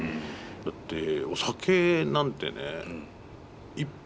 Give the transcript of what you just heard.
だってお酒なんてね一